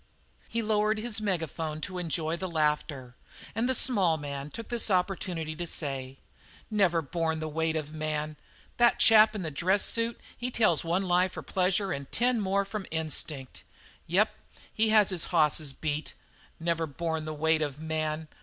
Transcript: He lowered his megaphone to enjoy the laughter, and the small man took this opportunity to say: "Never borne the weight of a man! That chap in the dress suit, he tells one lie for pleasure and ten more from instinct. Yep, he has his hosses beat. Never borne the weight of man!